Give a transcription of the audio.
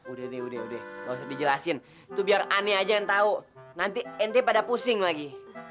udah deh udah gak usah dijelasin itu biar aneh aja yang tahu nanti nt pada pusing lagi